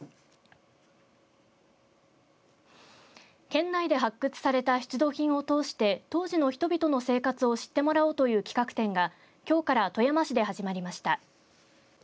県内で発掘された出土品を通して当時の人々の生活を知ってもらおうという企画展がきょうから富山市で始まりました。